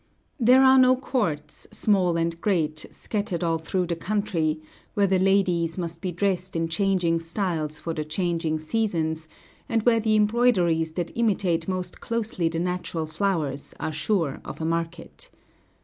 There are no courts, small and great, scattered all through the country, where the ladies must be dressed in changing styles for the changing seasons, and where the embroideries that imitate most closely the natural flowers are sure of a market.